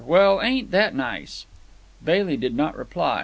Well, ain't that nice!" Bailey did not reply.